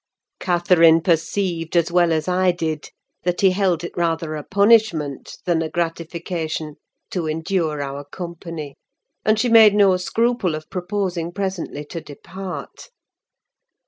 Catherine perceived, as well as I did, that he held it rather a punishment, than a gratification, to endure our company; and she made no scruple of proposing, presently, to depart.